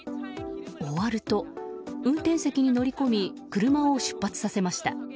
終わると、運転席に乗り込み車を出発させました。